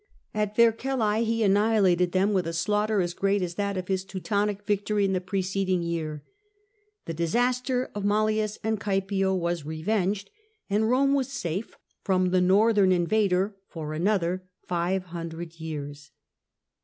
At Vercellae he annihilated them, with a slaughter as great as that of his Teutonic victory in the preceding year. The disaster of Mallius and Oaepio was revenged, and Rome was safe from the Northern invader for an other five hundred years.